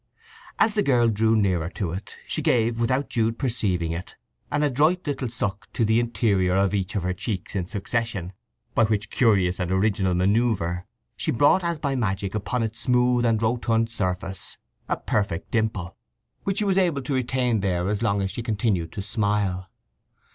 As the girl drew nearer to it, she gave without Jude perceiving it, an adroit little suck to the interior of each of her cheeks in succession, by which curious and original manœuvre she brought as by magic upon its smooth and rotund surface a perfect dimple, which she was able to retain there as long as she continued to smile.